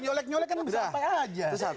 nyelek nyelek kan bisa sampai aja